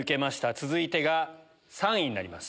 続いてが３位になります。